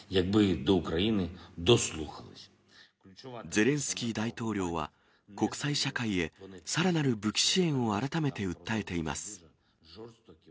ゼレンスキー大統領は、国際社会へさらなる武器支援を改めて訴えています。